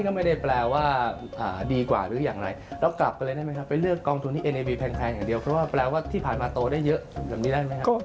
เพราะว่าแปลว่าที่ผ่านมาโตได้เยอะแบบนี้ได้ไหมครับ